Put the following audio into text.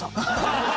ハハハハ！